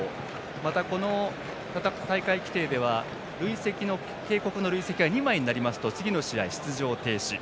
また、この大会規定では警告の累積が２枚になりますと次の試合、出場停止。